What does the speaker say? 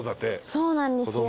そうなんですよ。